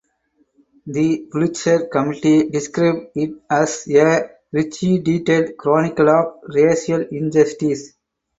The Pulitzer Committee described it as "a richly detailed chronicle of racial injustice".